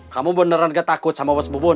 kamu beneran gak takut sama mas bubun